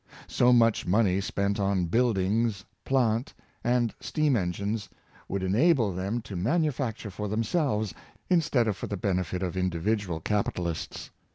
So much money spent on buildings, plant, and steam engines would ena ble them to manufacture for themselves, instead of for the benefit of individual capitalists.